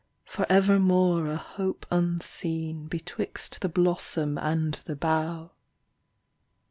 For evermore a hope unseen, Betwixt the blossom and the bough.